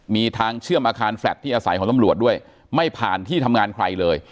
มีทางเชื่อมอาคารแฟลตที่อาศัยของตำรวจด้วยไม่ผ่านที่ทำงานใครเลย